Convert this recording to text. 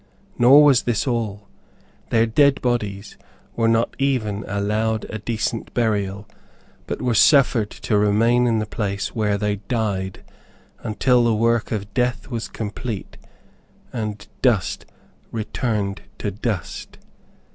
Nor was this all. Their dead bodies were not even allowed a decent burial, but were suffered to remain in the place where they died, until the work of death was complete and dust returned to dust.